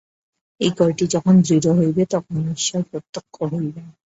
এই কয়টি যখন দৃঢ় হইবে, তখনই ঈশ্বর প্রত্যক্ষ হইবেন।